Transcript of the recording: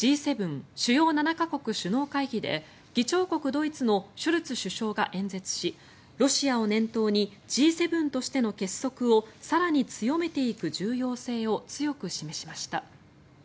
・主要７か国首脳会議で議長国ドイツのショルツ首相が演説しロシアを念頭にＧ７としての結束を更に強めていく重要性を強く示しました。